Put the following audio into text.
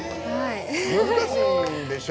難しいんでしょ？